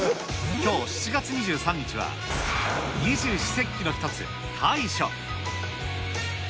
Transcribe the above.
きょう７月２３日は、二十四節気の一つ、大暑。